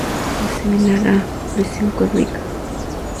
Es similar a "Prisión cósmica".